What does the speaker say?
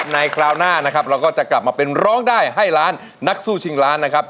คราวหน้านะครับเราก็จะกลับมาเป็นร้องได้ให้ล้านนักสู้ชิงล้านนะครับ